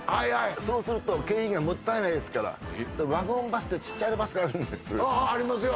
そうすると経費がもったいないですからワゴンバスでちっちゃいバスがあるんですああありますよ